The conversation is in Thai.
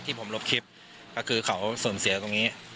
ที่ผมลบคลิปก็คือเขาสื่อมเสียตรงนี้